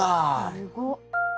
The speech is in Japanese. すごっ！